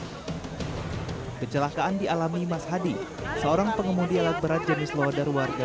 hai kecelakaan dialami mas hadi seorang pengemudi alat berat jenis loodar warga